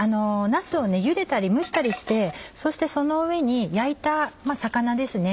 なすをゆでたり蒸したりしてそしてその上に焼いた魚ですね。